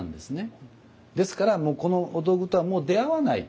ですからこのお道具とはもう出会わない。